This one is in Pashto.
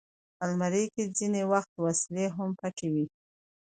الماري کې ځینې وخت وسلې هم پټې وي